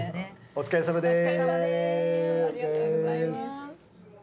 お疲れさまでーす。